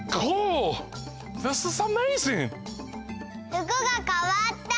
ふくがかわった！